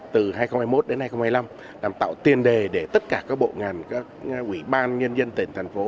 từ hai nghìn hai mươi một đến hai nghìn hai mươi năm làm tạo tiền đề để tất cả các bộ ngành các ủy ban nhân dân tỉnh thành phố